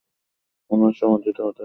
উনার সমাধিটা কোথায় তাহলে?